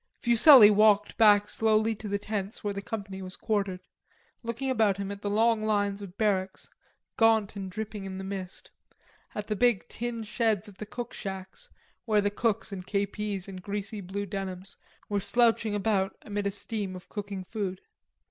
Fuselli walked back slowly to the tents where the Company was quartered, looking about him at the long lines of barracks, gaunt and dripping in the mist, at the big tin sheds of the cook shacks where the cooks and K. P.'s in greasy blue denims were slouching about amid a steam of cooking food.